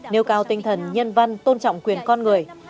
nêu cao tinh thần nhân văn tôn trọng quyền con người